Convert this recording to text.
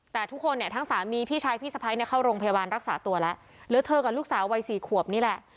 แต่ทุกคนเนี่ยทั้งสามีพี่ชายพี่สะพ้ายเนี่ยเข้าโรงพยาบาลรักษาตัวแล้วเหลือเธอกับลูกสาววัยสี่ขวบนี่แหละ